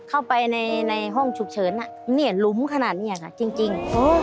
เข้าไปในห้องฉุกเฉินหลุมขนาดนี้ค่ะจริง